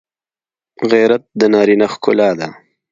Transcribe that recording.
غیرت د نارینه ښکلا ده